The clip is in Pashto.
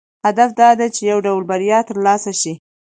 هدف دا دی چې یو ډول بریا ترلاسه شي.